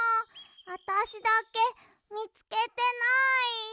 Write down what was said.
あたしだけみつけてない。